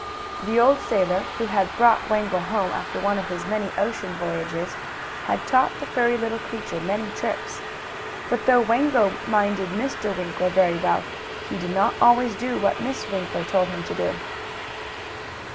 The old sailor, who had brought Wango home, after one of his many ocean voyages, had taught the furry little creature many tricks. But though Wango minded Mr. Winkler very well, he did not always do what Miss Winkler told him to do.